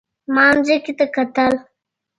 ما ځمکې ته کتل.